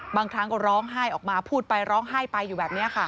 บางครั้งก็ร้องไห้ออกมาพูดไปร้องไห้ไปอยู่แบบนี้ค่ะ